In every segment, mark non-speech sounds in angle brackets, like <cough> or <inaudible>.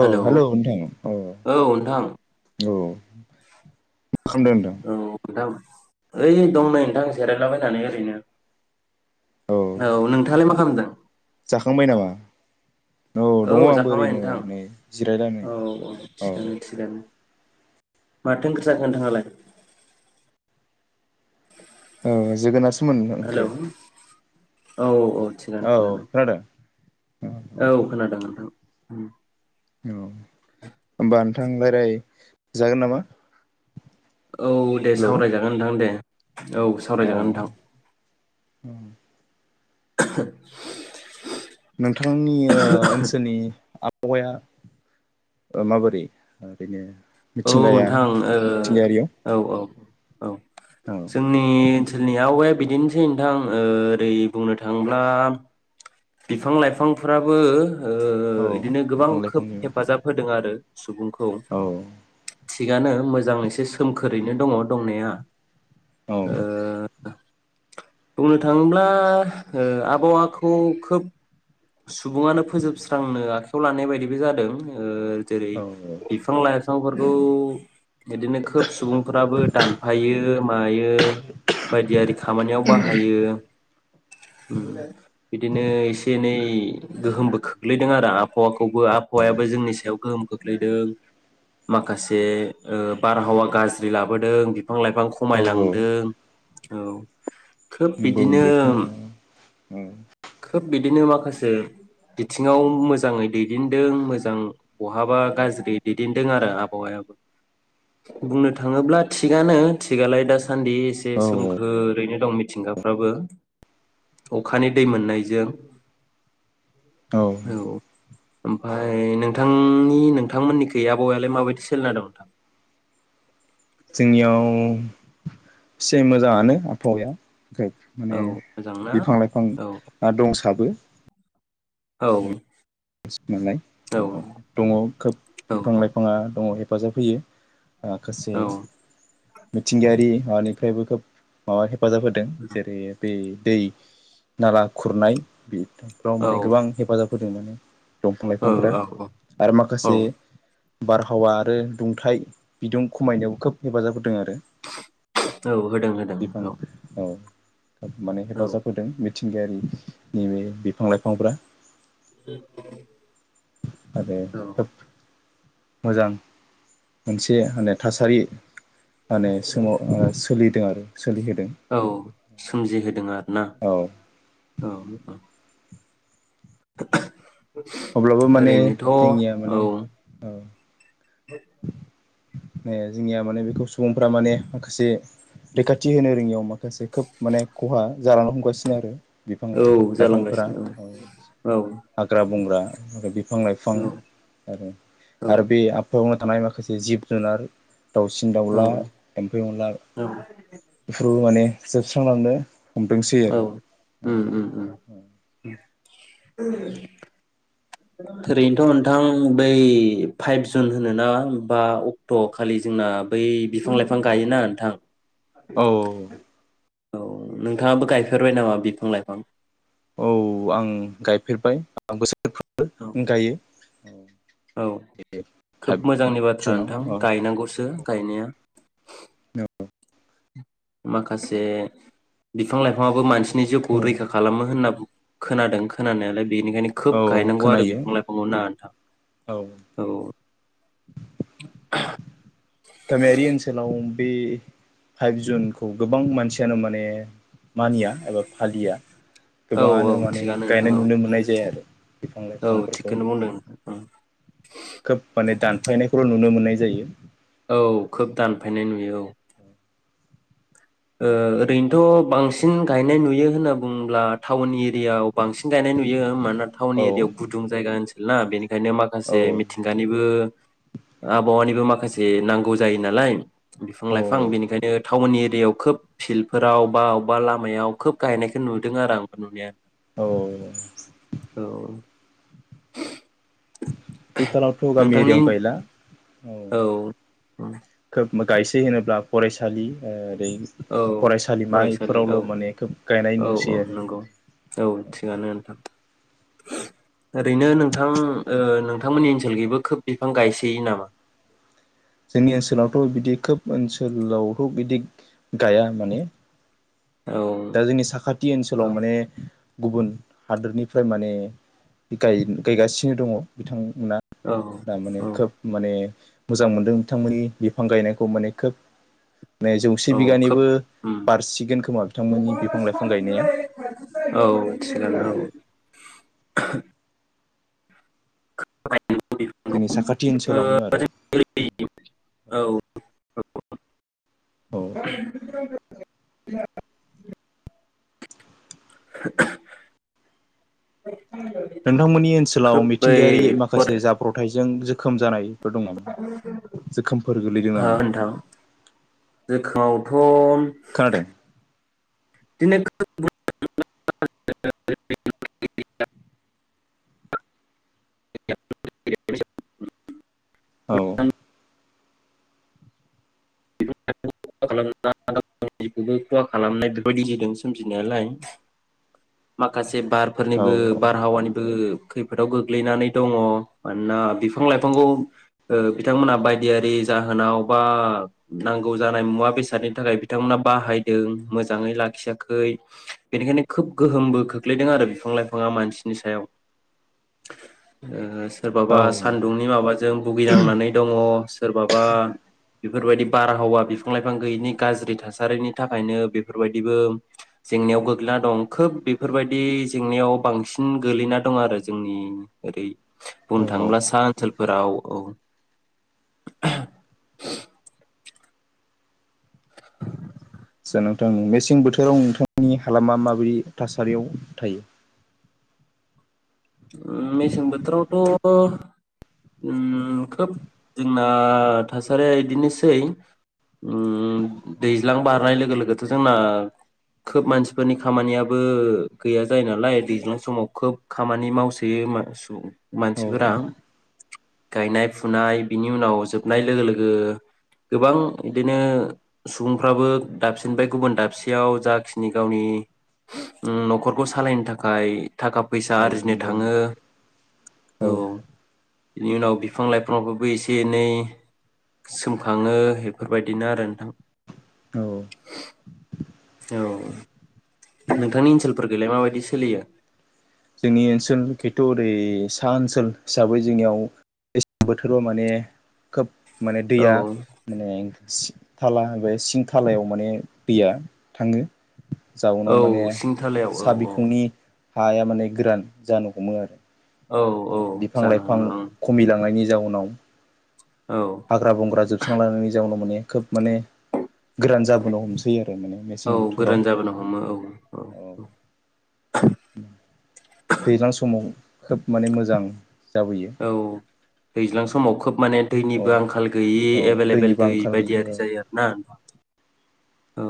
औ हेलौ नोंथां औ नोंथां औ। <inaudible> मा खालामदों नोंथां औ दा ओइ दं नै नोंथां जिरायलाबायनानै ओरैनो औ औ नोंथाङालाय मा खालामदों? जाखांबाय नामा? औ दङ आंबो जाखांबाय ओरैनो नोंथां नै जिरायनानै औ औ थिगानो थिगानो। माथो ओंख्रि जाखो नोंथाङालाय? औ जोगोनारसोमोन हेलौ ओंख्रिया औ औ थिगानो औ थिगानो खोनादो औ खोनादों नोंथां ओम थां रायलाय जागोन नामा? औ दे हेलौ सावरायजागोन नोंथां दे। औ सावरायजागोन नोंथां। <unintelligible> नोंथांनि ओ ओनसोलनि आ हौवाया माबोरै ओरैनो औ मिथिंगाया नोंथां मिथिंगायारियाव ओ औ औ औ औ जोंनि ओनसोलनियाव एक बिदिनोसै नोंथां ओरै बुंनो थाङोब्ला बिफां लाइफांफोराबो ओ औ इदिनो गोबां बिफां खोब लाइफांनि औ हेफाजाब होदों आरो। सुबुंखौ औ थिगानो मोजाङैसो सोमखोर ओरैनो दङ' दंनाया औ ओ बुंनो थाङोब्ला ओ आबहावाखौ खोब सुबुङानो फोजोबस्रांनो खौ लानाय बायदिबो जादों ओ जेरै औ बिफां लाइफांफोर खौ बिदिनो खोब सुबुंफ्राबो दानफायो मायो बायदियारि खामानियाव बाहायो उम बिदिनो एसे एनै नै गोहोमबो खोख्लैदों आरो आबहावाखौबो आबहावायाबो जोंनि सायाव गोहोम खोख्लैदों माखासे ओ बारहावा गाज्रि लाबोदों बिफां लाइफां औ खमायलांदों औ खोब नंगौ बिदिनो बेखौ औ खोब बिदिनो माखा बिथिङाव मोजाङै दैदेनदों मोजां बहाबा गाज्रि दैदेनदों आरो आबहावायाव बुंनो थाङोब्ला थिगानो थिगालाय दासा सान्दि एसे औ सोमखोरैनो दं मिथिंगाफ्राबो अखानि दै मोननायजों औ ओमफ्राय नोंथांनि नोंथांमोननि गै आबहावालाय माबायदि सोलिना दं नोंथां? जोंनियाव फि मोजाङानो आबहावाया। खेब औ माने मोजां ना? बिफां औ लाइफांआ दंसाबो। औ मोननाय औ दङ खोब बिफां लाइफाङा दङ हेफाजाब होयो। माखासे औ मिथिंगायारि हानिफ्रायबो खोब माबा हेफाजाब होदों जेरै बै दै नाला खुरनाय फोराव औ माने गोबां हेफाजाब फुदुनानै दंफां लाइफांफोरा औ औ आरो माखासे औ बारहावा आरो दुंथाइ बिदुं खमायनायाव खोब हेफाजाब हो दों आरो होदों होदों बिफां औ माने औ हेफाजाब होदों। मिथिंगायारि नैबे बिफां लाइफांफोरा <inaudible> औ <unintelligible> मोजां मोनसे होनो थासारि माने सोमाव ओ सोलि दों आरो सोलिहोदों औ सोमजिहोदों आर ना औ औ <inaudible> अब्लाबो माने ओरैनोथ' जोंनिया माने औ । <inaudible> ए जोंनिया माने बेखौ सुबुंफ्रा माने माखासे रैखाथि होनो रोङियाव मा माखासे खोब माने खहा जालां ह गासिनो आरो बिफां औ लाइफांफोरा जालांगासिनो औ हाग्रा बंग्रा <unintelligible> बिफां लाइफां आरो औ आरो बे <unintelligible> थानाय माखासे जिब जुनार दाउसिन औ दाउला एम्फै अनला औ बेफोरबो माने जोबस्रांलांनो हमदोंसै आरो औ उम उम <unintelligible> ओरैनोथ' नोंथां बै फाइलस औ औ औ औ नोंथाङाबो गायफेरबाय नामा बिफां लाइफां? औ आं गायफेरबाय आं हो <unintelligible> गायो औ औ खोब मोजांनि बाथ्रा नोंथां जुनाव औ गायनांगौसो गायनाया नंगौ माखासे बिफां लाइफाङाबो मानसि जिउखौ औ रैखा खालामो होननानै खोनादों खोनानायालाय बेनिखायनो खोब औ गायनांगौ आरो खोनायो बिफां लाइफांखौ ना नोंथां औ गामियारि ओनसोलाव बे फाइभ जुनखौ गोबां मानसियानो माने मानिया एबा फालिया औ औ गोबाङानो माने थिगानो नोंथां गायनाय औ नुनो मोननाय जाया आरो बिफां औ लाइफांफोरखौ थिगखौनो बुंदों नोंथां खोब माने दानफायनायखौल' नुनो मोननाय जायो औ खोब दानफायनाय नुयो औ ओ ओरैनोथ' बांसिन गायनाय नुयो होनना बुङोब्ला टाउन एरियायाव बांसिन गायनाय नुयो मानोना टाउन औ एरियायाव गुदुं जायगा ओनसो ला बेनि बेनो माखासे औ मिथिंगानिबो आबहावानिबो माखासे नांगौ जायो नालाय बिफां औ लाइफां बेनिखायनो टाउननि दे खोब फिल्डफोराव बा अबबा लामायाव खोब गायनायखौ नुदों आरो आं नुनाया औ औ थिखालावथ गामि नोंथांनि एरियायाव गायला औ खोब गायसै होनोब्ला फरायसालि ओ। औ फरायसालि औ माने खोब गायनाय औ नुसै औ आरो नंगौ औ थिगानो नोंथां। ओरैनो नोंथां ओ नोंथांमोननि ओनसोलखैबो खोब बिफां गायसैयो नामा? जोंनि ओनसोलावथ' बिदि खोब ओनसोलावथ' बिदि गाया माने औ दा जोंनि साखाथि औ ओनसोलाव माने गुबुन हादोरनिफ्राय माने गाय गायगासिनो दङ बिथां ना औ दा माने खोब माने मोजां मोन नोंथांमोननि बिफां गायनायखौ माने खोब माने जौसे औ खोब बिगानिबो उम बारसिगोन खोमा बिथांमोननि बिफां लाइफां गायनाया औ औ थिगानो। <inaudible> <inaudible> जोंनि साखाथि औ ओनसोलावनो आरो। औ <unintelligible> औ <inaudible> <unintelligible> <unintelligible> नोंथांमोननि ओनसोलाव खोब बै मिथिंगायारि माखासे जाब्रबथायजों जो खोम जानाय। गोलैदों अ नामा नोंथां <unintelligible> बिदि खोनादों <unintelligible> औ। <unintelligible> खालामनाय बेफोरबायदि जादों सोमजिनायालाय माखासे दे औ बारफोरनिबो बारहावानिबो खैफोदाव गोग्लैनानै दङ मानोना बिफां लाइफांखौ बिथांमोनहा बायदियारि जाहोनाव बा। नांगौ जानाय मुवा बेसादनि थाखाय बिथांमोना बाहायदों मोजाङै लाखियाखै बेनिखायनो खोब गोहोमबो खोख्लैदों आरो बिफां लाइफाङा मानसिनि सायाव औ सोरबाबा सान्दुंनि माबाजों भुगिनांनानै दङ सोरबाबा बेफोरबायदि बारहावा बिफां लाइफां गैयिनि गाज्रि थासारिनि थाखायनो बेफोरबायदिबो जेंनायाव गोग्लैना दं खोब बेफोरबायदि जेंनायाव बांसिन गोग्लैना दं आरो जोंनि ओरै बुंनो औ थाङोब्ला सा ओनसोलफोराव औ। <inaudible> आदसा नोंथां मेसें बोथोराव नोंथांनि हालामा माबायदि थासारियाव थायो। मेसें बोथोरावथ' ओ खोब जोंना थासारिया बिदिनोसै ओम दैज्लां बारनाय लोगो लोगोथ' जोंना खोब मानसिफोरनि खामानियाबो गैया जायो नालाय दैज्लां समाव खोब खामानि मावसोयो औ मानसिफोरा गायनाय फुनाय बिनि उनाव जोबनाय लोगो लोगो गोबां बिदिनो सुबुंफ्राबो दाबसेनिफ्राय गुबुन दाबसेयाव जाखिनि गावनि न'खरखौ सालायनो थाखाय थाखा औ आरजिनो नंगौ थाङो औ। बिनि उनाव बिफां लाइफांआबो एसे एनै सोमखाङो बेफोरबायदिनो आरो नोंथां। औ औ। नोंथांनि ओनसोलफोरखैलाय माबायदि सोलियो? जोंनि ओनसोल खिन्थु ओरै सा ओनसोल हिसाबै जोंनियाव बोथोराव माने खोब माने औ दैया माने थाला बे सिं थालायाव माने दैया थाङो। जाउनाव माने औ सिंथालायाव औ सा औ। बिखुंनि हाया माने गोरान जानो हमो आरो। औ औ जानो हमो ओं। नायनि जाउनाव हाग्रा बंग्रा जोबस्रांलांनायनि जाउनाव माने खोब माने गोरान जाबोनो हमसै आरो माने औ मेसें बोथोराव गोरान जाबोनो हमो औ औ। दैलां समाव खोब माने मोजां जाबोयो औ दैज्लां समाव खोब माने औ दैनिबो आंखाल गैयि औ एभेलेबेल दैनिबो दै आंखाल बायदि गैयि औ आरि जायो आरो ना नोंथां? औ।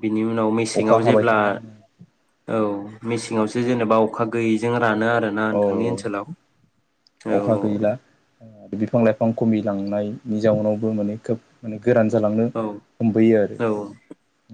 बिनि उनाव अखा मेसेङाव हाबाय जेब्ला थानाय औ मेसेङावसो जेनेबा अखा गैयिजों रानो आरोना औ नोंथांनि ओनसोलाव औ अखा गैला बिफां लाइफां खमिलांनाय नि जाउनावबो माने खोब माने गोरान जालांनो औ हमबोयो आरो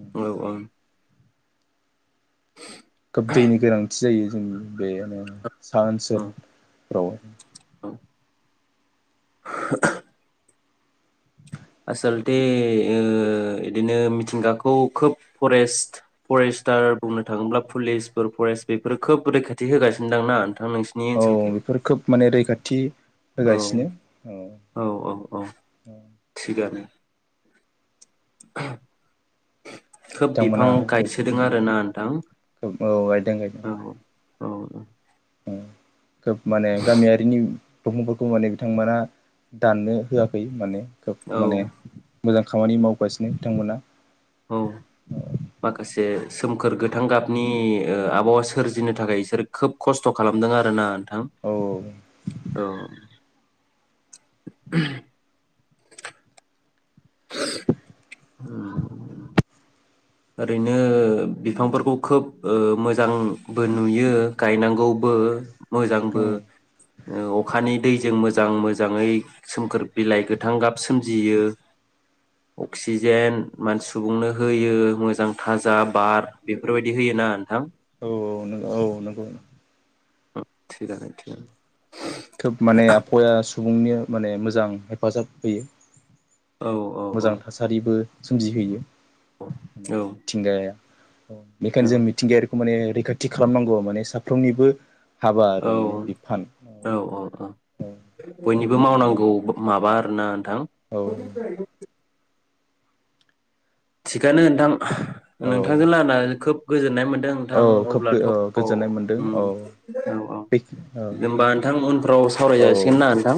ओं। औ खोब दैनि गोनांथि जायो। जों बेयोनो सा ओनसोल औ फोराव औ। <inaudible> आसलथे ओ इदिनो मिथिंगाखौ खोब फरेस्ट फरेस्टार बुंनो थाङोब्ला पुलिसफोर फरेस्ट बेफोर खोब रैखाथि होगासिनो दांना नोंसिनि औ ओनसोलखै बेफोर खोब माने रैखाथि औ होगासिनो औ औ। गारो <inaudible> खोब बिफां बिथांमोना गायसोदों आरोना खोब नोंथां गायदों गायदों औ। औ औ । खोब माने गामियारिनि सुबुंफोरखौ माने बिथांमोना दाननो होआखै माने । औ खोब माने मोजां । खामानि मावगासिनो बिथांमोना । औ माखासे सोमखोर औ गोथां गाबनि नि आबहावा सोरजिनो थाखाय बिसोर खोब खस्थ' खालामदों आरो ना थां औ औ । <unintelligible> <unintelligible> ओरैनो बिफांफोरखौ खोब ओ मोजांबो नुयो गायनांगौबो । औ मोजांबो अखानि दैजों मो जां मोजाङै सोमखोर बिलाइ गोथां गाब सोमजियो अक्सिजेन मान सुबुंनो होयो मोजां थाजा बार बेफोरबायदि होयोना नोंथां । औ नों औ नोंगौ । <unintelligible> खोब माने आभावाया सुबुंनि माने मोजां हेफाजाब होयो औ । औ मोजां थासारिबो सोमजिहैयो औ । <unintelligible> औ बेखायनो जों मिथिंगायारिखौ माने रैखाथि खालामनांगौ माने साफ्रोमनिबो हाबा आरो माने बिफान । अ अ बयनि बो मावनांगौ माबा आरोना औ <unintelligible> थिगानो नोंथां । औ नोंथांजों रायलायनानै खोब गोजोन्नाय मोन दों नोंथां औ खोब अब्लाथ' औ गोजोननाय मोनदों उम औ औ औ बे औ होनबा नोंथां उनफोराव औ सावरायजासिगोन ना नोंथां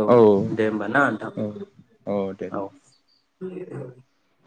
औ दे होमबा ना नोंथां औ औ । <inaudible>